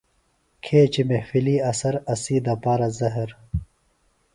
کھیچیۡ محفلی اثر اسی دپارہ زہر۔